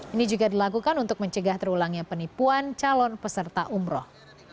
ini juga dilakukan untuk mencegah terulangnya penipuan calon peserta umroh